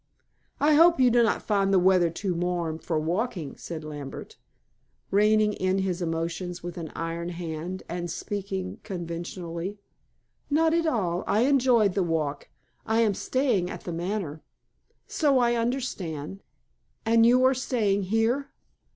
"I hope you do not find the weather too warm for walking," said Lambert, reining in his emotions with an iron hand, and speaking conventionally. "Not at all. I enjoyed the walk. I am staying at The Manor." "So I understand." "And you are staying here?"